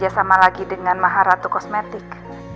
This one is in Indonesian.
elsa sudah tidak bekerja sama lagi dengan maha ratu kosmetik